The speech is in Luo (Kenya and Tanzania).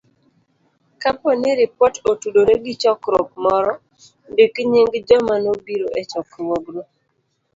Kapo ni ripot otudore gi chokruok moro, ndik nying joma nobiro e chokruogno.